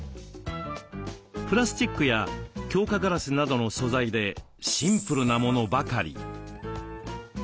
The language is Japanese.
プラスチックや強化ガラスなどの素材でシンプルなものばかり。